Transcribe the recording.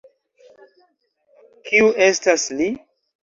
Kiu estas li?